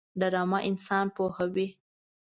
ډرامه انسان پوهوي